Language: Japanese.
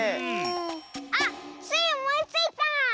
あっスイおもいついた！